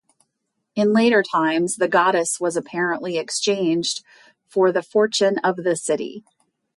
In later times, the goddess was apparently exchanged for the Fortune of the City.